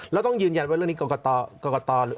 แล้วต้องยืนยันว่าเรื่องนี้กรกต